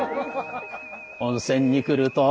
温泉に来ると。